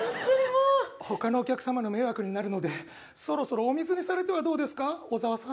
他のお客様の迷惑になるのでそろそろをお水にされてはどうですか、小沢さん。